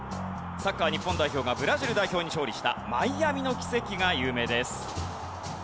サッカー日本代表がブラジル代表に勝利したマイアミの奇跡が有名です。